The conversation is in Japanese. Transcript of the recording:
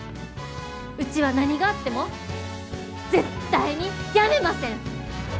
うちは何があっても絶対に辞めません！